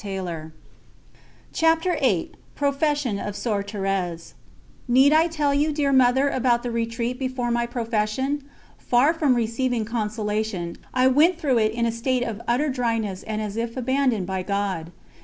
89:15. ______________________________ CHAPTER VIII PROFESSION OF SOEUR THÉRÈSE Need I tell you, dear Mother, about the retreat before my profession? Far from receiving consolation, I went through it in a state of utter dryness and as if abandoned by God.